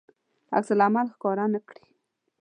عکس العمل ښکاره نه کړي.